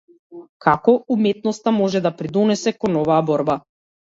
Како уметноста може да придонесе кон оваа борба?